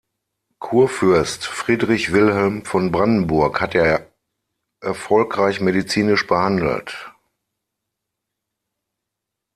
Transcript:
Kurfürst Friedrich Wilhelm von Brandenburg hat er erfolgreich medizinisch behandelt.